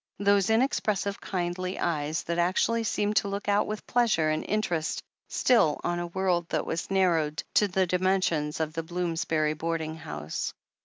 Those inexpressive, kindly eyes, that actually seemed to look out with pleasure and interest still on a world that was narrowed to the dimensions of the Bloomsbury boarding house.